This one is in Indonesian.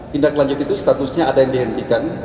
tindaklanjuti itu statusnya ada yang dihentikan